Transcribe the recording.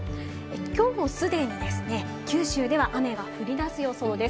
今日もすでに九州では雨が降り出す予想です。